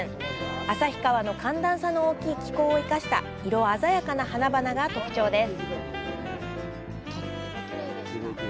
旭川の寒暖差の大きい気候を生かした色鮮やかな花々が特徴です。